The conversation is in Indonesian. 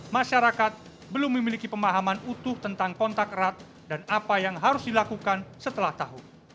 masyarakat belum memiliki pemahaman utuh tentang kontak erat dan apa yang harus dilakukan setelah tahu